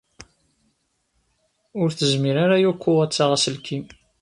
Ur tezmir ara Yoko ad taɣ aselkim.